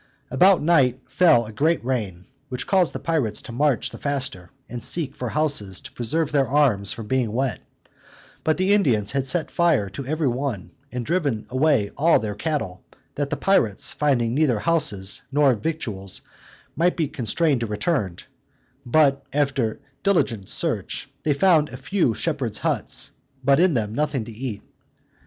About night fell a great rain, which caused the pirates to march the faster, and seek for houses to preserve their arms from being wet; but the Indians had set fire to every one, and driven away all their cattle, that the pirates, finding neither houses nor victuals, might be constrained to return: but, after diligent search, they found a few shepherds' huts, but in them nothing to eat.